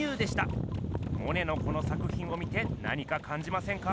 モネのこの作ひんを見て何かかんじませんか？